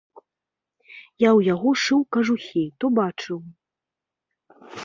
Я ў яго шыў кажухі, то бачыў.